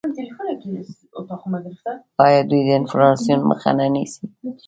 آیا دوی د انفلاسیون مخه نه نیسي؟